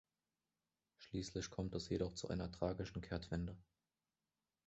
Schließlich kommt es jedoch zu einer tragischen Kehrtwende.